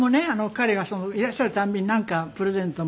彼がいらっしゃる度になんかプレゼントを。